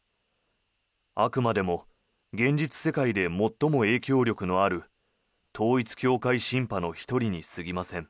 あくまでも現実世界で最も影響力のある統一教会シンパの１人に過ぎません。